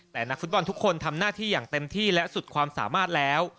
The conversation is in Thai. แต่นักฟุตบอลทุกคนทำหน้าที่อย่างเต็มที่และสุดความสามารถแล้ว